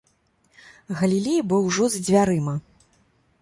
Галілей быў ужо за дзвярыма.